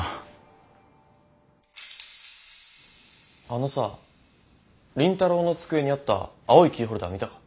あのさ倫太郎の机にあった青いキーホルダー見たか？